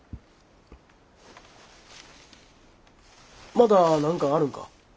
まだ何かあるんか？